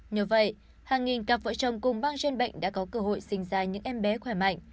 nhờ vậy hàng nghìn cặp vợ chồng cùng băng gen bệnh đã có cơ hội sinh ra những em bé khỏe mạnh